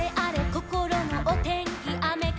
こころのおてんきあめかな？」